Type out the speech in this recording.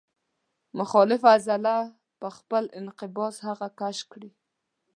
مخالفه عضله په خپل انقباض هغه کش کړي.